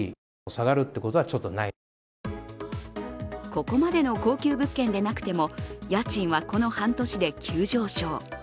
ここまでの高級物件でなくても家賃はこの半年で急上昇。